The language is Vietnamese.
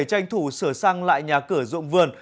tranh thủ sửa sang lại nhà cửa rộng vườn